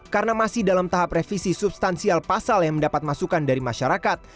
karena masih dalam tahap revisi substansial pasal yang mendapat masukan dari masyarakat